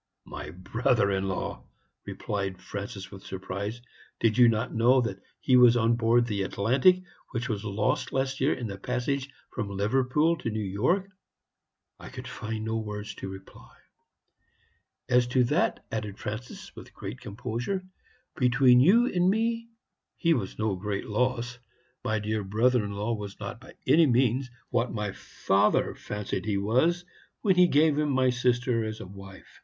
"'My brother in law!' replied Francis, with surprise; 'did you not know that he was on board the Atlantic, which was lost last year in the passage from Liverpool to New York?' "I could find no words to reply. "'As to that,' added Francis, with great composure 'between you and me, he was no great loss. My dear brother in law was not by any means what my father fancied he was when he gave him my sister as a wife.